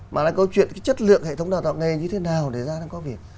mà là câu chuyện cái chất lượng hệ thống đào tạo nghề như thế nào để ra làm có việc